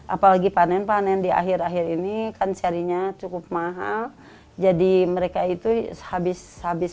apalagi panen panen di akhir akhir ini kan carinya cukup mahal jadi mereka itu sehabis habis